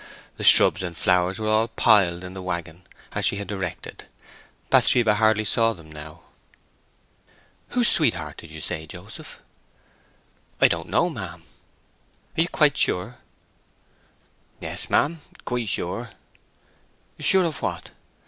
The shrubs and flowers were all piled in the waggon, as she had directed; Bathsheba hardly saw them now. "Died of what? did you say, Joseph?" "I don't know, ma'am." "Are you quite sure?" "Yes, ma'am, quite sure." "Sure of what?"